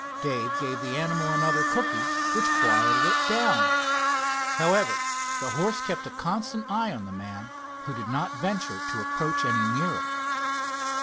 Dave gave the animal another cookie, which quieted it down. However, the horse kept a constant eye on the man, who did not venture to approach any nearer.